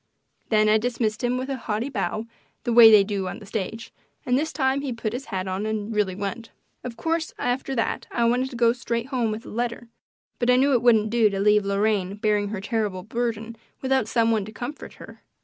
Then I dismissed him with a haughty bow, the way they do on the stage, and this time he put his hat on and really went. Of course after that I wanted to go straight home with the letter, but I knew it wouldn't do to leave Lorraine bearing her terrible burden without some one to comfort her.